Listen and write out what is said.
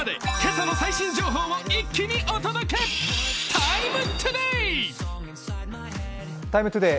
「ＴＩＭＥ，ＴＯＤＡＹ」